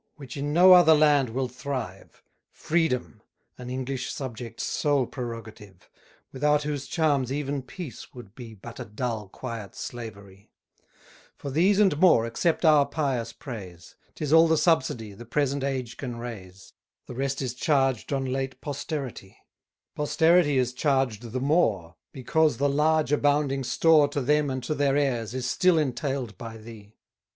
which in no other land will thrive Freedom! an English subject's sole prerogative, Without whose charms even peace would be But a dull, quiet slavery: For these and more, accept our pious praise; 'Tis all the subsidy The present age can raise, The rest is charged on late posterity: Posterity is charged the more, Because the large abounding store To them and to their heirs, is still entail'd by thee.